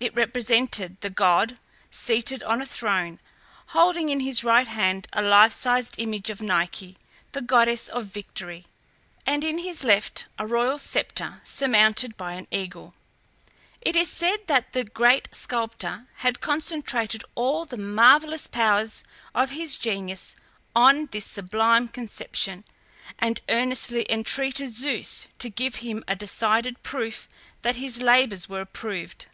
It represented the god, seated on a throne, holding in his right hand a life sized image of Nike (the goddess of Victory), and in his left a royal sceptre, surmounted by an eagle. It is said that the great sculptor had concentrated all the marvellous powers of his genius on this sublime conception, and earnestly entreated Zeus to give him a decided proof that his labours were approved.